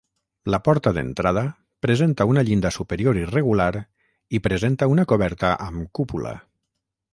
La porta d'entrada presenta una llinda superior irregular i presenta una coberta amb cúpula.